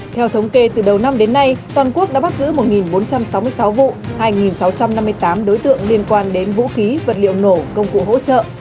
theo thống kê từ đầu năm đến nay toàn quốc đã bắt giữ một bốn trăm sáu mươi sáu vụ hai sáu trăm năm mươi tám đối tượng liên quan đến vũ khí vật liệu nổ công cụ hỗ trợ